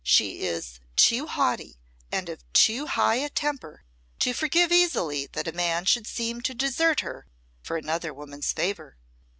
"She is too haughty and of too high a temper to forgive easily that a man should seem to desert her for another woman's favour.